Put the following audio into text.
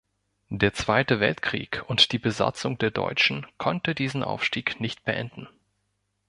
Der Zweite Weltkrieg und die Besatzung der Deutschen konnten diesen Aufstieg nicht beenden.